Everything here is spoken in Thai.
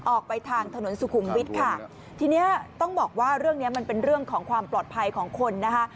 ออกไปทางถนนสุขุมวิทย์ค่ะทีนี้ต้องบอกว่าเรื่องเนี้ยมันเป็นเรื่องของความปลอดภัยของคนนะคะ